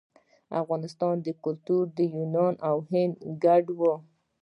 د افغانستان کلتور د یونان او هند ګډ و